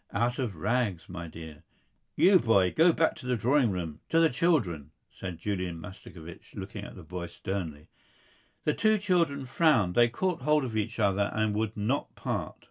"Out of rags, my dear. You, boy, you go back to the drawing room, to the children," said Julian Mastakovich looking at the boy sternly. The two children frowned. They caught hold of each other and would not part.